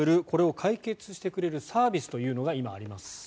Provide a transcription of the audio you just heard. これを解決してくれるサービスが今あります。